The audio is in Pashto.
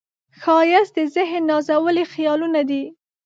ښایست د ذهن نازولي خیالونه دي